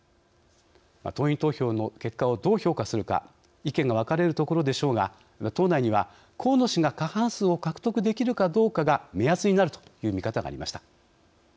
党員投票の結果をどう評価するか意見が分かれるところでしょうが党内には、河野氏が過半数を獲得できるかどうかが目安になるという見方がありました。